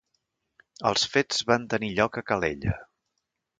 Els fets van tenir lloc a Calella